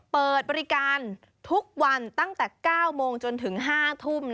เปิดบริการทุกวันตั้งแต่๙โมงจนถึง๕ทุ่ม